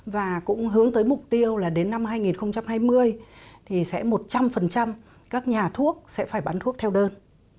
và cũng hướng tới mục tiêu là đến năm hai nghìn hai mươi thì sẽ một trăm linh các nhà thuốc sẽ phải bán thuốc theo đơn